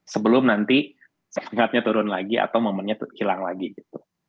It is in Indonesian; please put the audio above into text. sebelum nanti sehatnya turun lagi atau momennya hilang lagi gitu